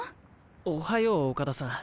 おはよう岡田さん。